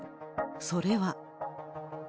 それは。